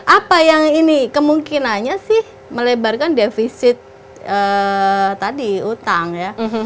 apa yang ini kemungkinannya sih melebarkan defisit tadi utang ya